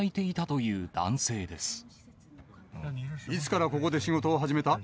いつからここで仕事を始めた？